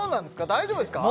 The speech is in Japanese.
大丈夫ですか？